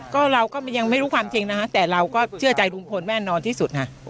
ก็เราก็ยังไม่รู้ความจริงนะฮะแต่เราก็เชื่อใจลุงพลแน่นอนที่สุดฮะ